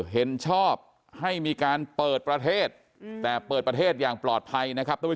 ๑เห็นชอบให้มีการเปิดประเทศแต่เปิดประเทศอย่างปลอดภัย